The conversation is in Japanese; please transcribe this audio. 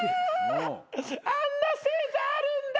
あんな星座あるんだ。